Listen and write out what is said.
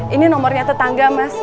ini nomornya tetangga mas